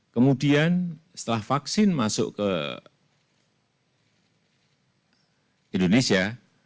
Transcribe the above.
kemudian setelah vaksin masuk ke indonesia